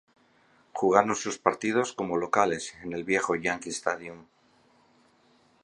Jugaron sus partidos como locales en el viejo Yankee Stadium.